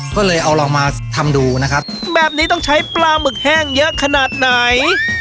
ก็เลยเอาลองมาทำดูนะครับแบบนี้ต้องใช้ปลาหมึกแห้งเยอะขนาดไหน